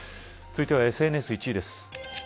続いてはＳＮＳの１位です。